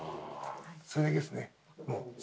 それだけですね。